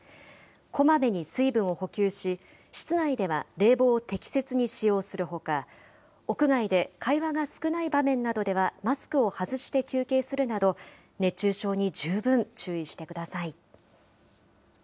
こまめに水分を補給し、室内では冷房を適切に使用するほか、屋外で会話が少ない場面などではマスクを外して休憩するなど、熱中症に十分注意してください。